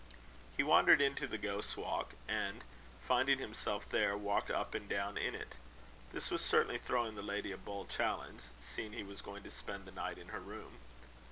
He wandered into the Ghost's Walk; and, finding himself there, walked up and down in it. This was certainly throwing the lady a bold challenge, seeing he was going to spend the night in her room.